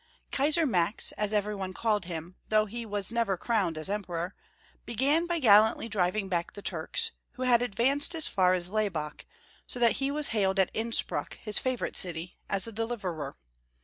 KAISAR Max, as every one called him, though he never was crowned as Emperor, began by gallantly driving back the Turks, who had ad vanced as far as Laybach, so that he was hailed at Innspruck, his favorite city, as a deliverer.